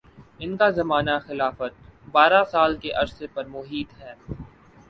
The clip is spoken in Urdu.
ان کا زمانہ خلافت بارہ سال کے عرصہ پر محیط ہے